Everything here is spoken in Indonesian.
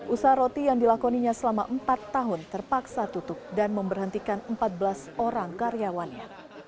usaha roti yang dilakoninya selama empat tahun terpaksa tutup dan memberhentikan empat belas orang karyawannya